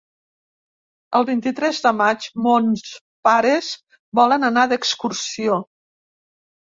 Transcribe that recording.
El vint-i-tres de maig mons pares volen anar d'excursió.